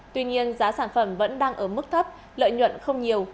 tuy nhiên giá sản phẩm vẫn đang ở mức thấp lợi nhuận không nhiều